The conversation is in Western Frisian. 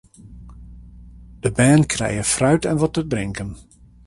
De bern krije fruit en wat te drinken.